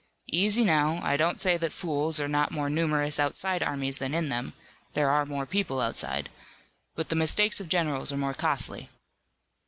Easy now, I don't say that fools are not more numerous outside armies than in them there are more people outside but the mistakes of generals are more costly."